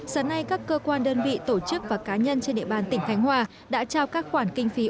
sáng nay các cơ quan đơn vị tổ chức và cá nhân trên địa bàn tỉnh khánh hòa đã trao các khoản kinh phí